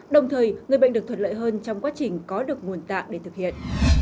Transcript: đồng thời người bệnh được thuận lợi hơn trong quá trình có được nguồn tạng để thực hiện